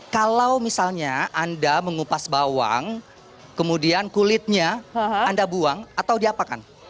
kalau misalnya anda mengupas bawang kemudian kulitnya anda buang atau diapakan